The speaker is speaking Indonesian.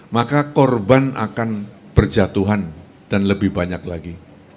maka korban akan berjatuhan dan lebih banyak lagi